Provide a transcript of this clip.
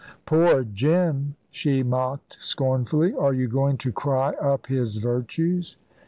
"Poor Jim," she mocked scornfully; "are you going to cry up his virtues?"